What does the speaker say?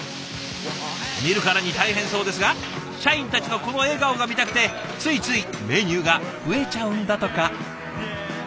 見るからに大変そうですが社員たちのこの笑顔が見たくてついついメニューが増えちゃうんだとか。